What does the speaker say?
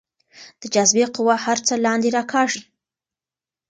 د جاذبې قوه هر څه لاندې راکاږي.